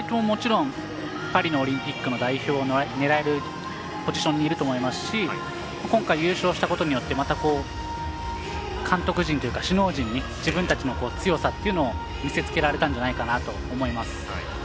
もちろんパリのオリンピックの代表を狙えるポジションにいると思いますし今回、優勝したことによってまた、首脳陣に自分たちの強さというのを見せつけられたんじゃないかなと思います。